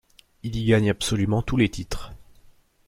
Il y gagne absolument tous les titres.